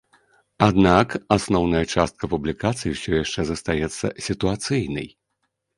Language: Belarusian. Аднак асноўная частка публікацый усё яшчэ застаецца сітуацыйнай.